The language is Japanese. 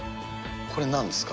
これ、なんですか？